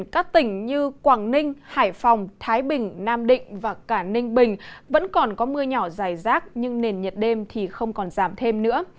các tỉnh như quảng ninh hải phòng thái bình nam định và cả ninh bình vẫn còn có mưa nhỏ dài rác nhưng nền nhiệt đêm thì không còn giảm thêm nữa